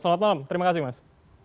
salam sejahtera terima kasih mas